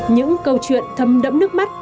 những câu chuyện thâm đẫm nước mắt